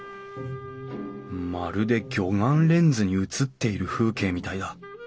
まるで魚眼レンズに映っている風景みたいだ。